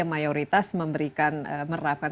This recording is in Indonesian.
mayoritas memberikan merapat